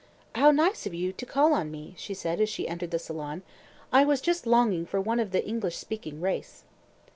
"How nice of you to call on me," she said, as she entered the salon. "I was just longing for one of the English speaking race."